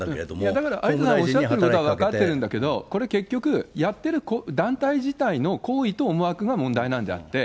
だけど、おっしゃることは分かってるんだけれども、これ、結局、やってる団体自体の行為と思惑が問題なんであって。